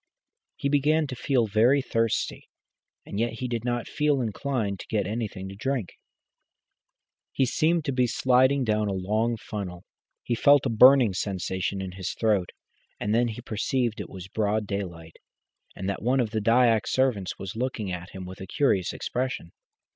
He began to feel very thirsty, and yet he did not feel inclined to get anything to drink. He seemed to be sliding down a long funnel. He felt a burning sensation in his throat, and then he perceived it was broad daylight, and that one of the Dyak servants was looking at him with a curious expression.